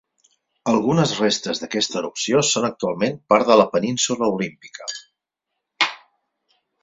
Algunes restes d'aquesta erupció són actualment part de la Península Olímpica.